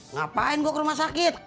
ngapain gue ke rumah sakit